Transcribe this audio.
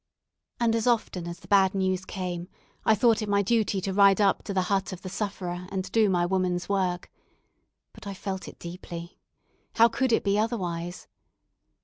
And as often as the bad news came, I thought it my duty to ride up to the hut of the sufferer and do my woman's work. But I felt it deeply. How could it be otherwise?